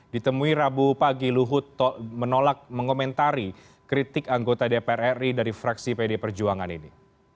ditemui rabu pagi luhut menolak mengomentari kritik anggota dpr ri dari fraksi pd perjuangan ini